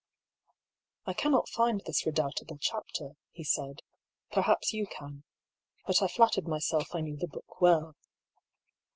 " I cannot find this redoubtable chapter," he said ;" perhaps you can. But I flattered myself I knew the book well."